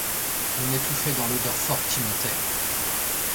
On étouffait dans l'odeur forte qui montait.